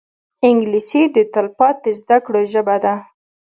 انګلیسي د تلپاتې زده کړو ژبه ده